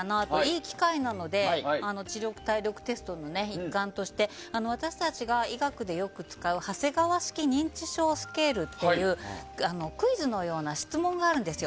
いい機会なので知力・体力テストの一環として私たちが医学でよく使う長谷川式認知症スケールというクイズのような質問があるんです。